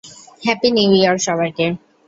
Happy new year, সবাইকে!